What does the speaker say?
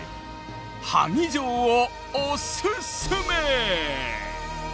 萩城をおすすめ！